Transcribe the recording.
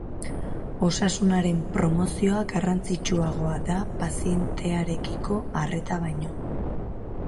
Osasunaren promozioa garrantzitsuagoa da pazientearekiko arreta baino.